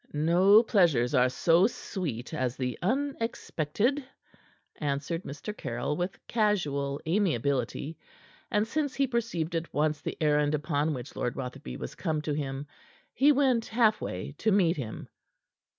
"No pleasures are so sweet as the unexpected," answered Mr. Caryll, with casual amiability, and since he perceived at once the errand upon which Lord Rotherby was come to him, he went half way to meet him.